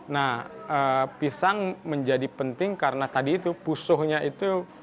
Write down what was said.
nah pisang menjadi penting karena tadi itu pusuhnya itu